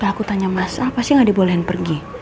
kalau aku tanya mas al pasti gak dibolehin pergi